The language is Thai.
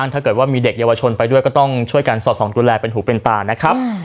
ถ้าเกิดว่ามีเด็กเยาวชนไปด้วยก็ต้องช่วยกันสอดส่องดูแลเป็นหูเป็นตานะครับ